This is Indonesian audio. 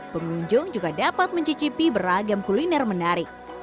pengunjung juga dapat mencicipi beragam kuliner menarik